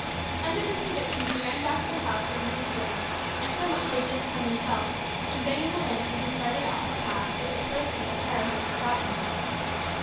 Under this conviction he ran back to the house where Rhena had been and from which he 189 190 HIS BROTHER'S KEEPER. had just come himself, and begging a lantern he started out on a path, which at first, in his terror, he had forgotten.